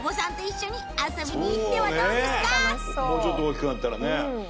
ぜひ楽しそうもうちょっと大きくなったらね